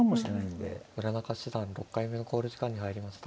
村中七段６回目の考慮時間に入りました。